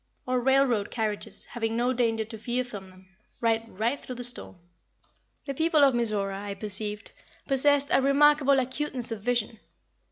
Our railroad carriages, having no danger to fear from them, ride right through the storm." The people of Mizora, I perceived, possessed a remarkable acuteness of vision.